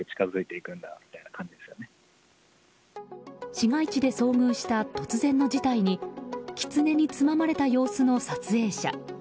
市街地で遭遇した突然の事態にキツネにつままれた様子の撮影者。